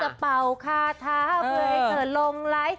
ฉันจะเป่าคาท้าเผื่อให้เธอลงไหล